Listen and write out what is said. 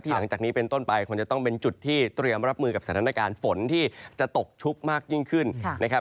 หลังจากนี้เป็นต้นไปคงจะต้องเป็นจุดที่เตรียมรับมือกับสถานการณ์ฝนที่จะตกชุกมากยิ่งขึ้นนะครับ